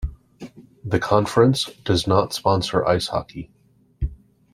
The conference does not sponsor ice hockey.